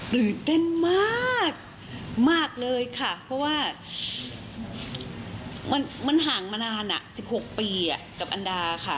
ตื่นเต้นมากเลยค่ะเพราะว่ามันห่างมานาน๑๖ปีกับอันดาค่ะ